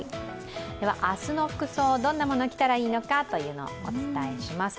明日の服装、どんなものを着たらいいのかお伝えします。